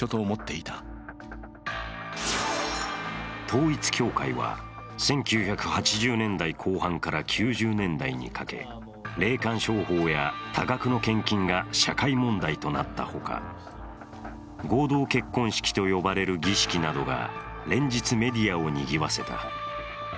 統一教会は１９８０年代後半から９０年代にかけ霊感商法や多額の献金が社会問題となったほか、合同結婚式と呼ばれる儀式などが連日メディアをにぎわせた。